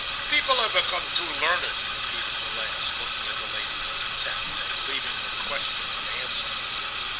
"People have become too learned," repeated the last, looking at the lady with contempt, and leaving her question unanswered.